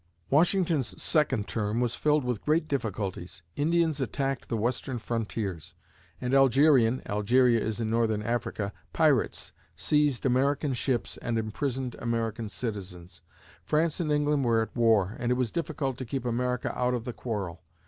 Washington's second term was filled with great difficulties. Indians attacked the western frontiers, and Algerian [Algeria is in northern Africa] pirates seized American ships and imprisoned American citizens. France and England were at war and it was difficult to keep America out of the quarrel.